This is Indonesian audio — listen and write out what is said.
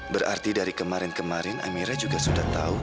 berarti dari kemarin kemarin amira juga sudah tahu